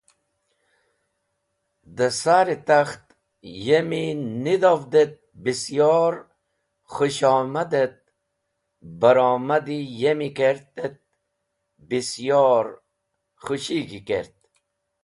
Dẽ sar-e takht yemi nidhovd et bisyor khũshomad et baromad yemi kert et bisyor khũshig̃hi kert.